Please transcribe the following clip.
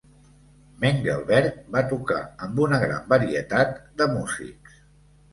Mengelberg va tocar amb una gran varietat de músics.